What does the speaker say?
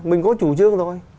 mình có chủ chức thôi